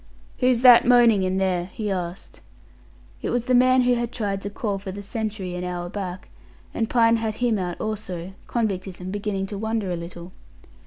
"Who's that moaning in there?" he asked. It was the man who had tried to call for the sentry an hour back, and Pine had him out also; convictism beginning to wonder a little.